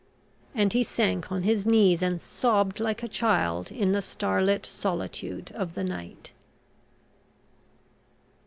And he sank on his knees and sobbed like a child in the star lit solitude of the night.